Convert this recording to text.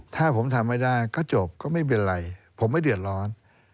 ถ้าผมทำไม่ได้ก็จบก็ไม่เป็นไรผมไม่เดือดร้อน